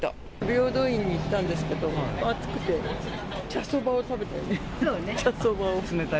平等院に行ったんですけど、暑くて、茶そばを食べた。